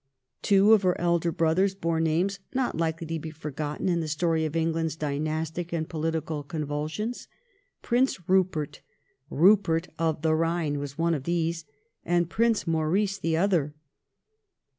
Two of her elder brothers bore names not likely to be forgotten in the story of England's dynastic and political convulsions. Prince Eupert —' Eupert of the Ehine '— was one of these, and Prince Maurice the other.